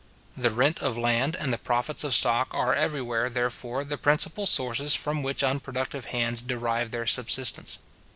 The rent of land and the profits of stock are everywhere, therefore, the principal sources from which unproductive hands derive their subsistence.